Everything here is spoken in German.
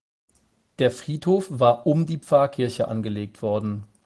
Der Friedhof war um die Pfarrkirche angelegt worden.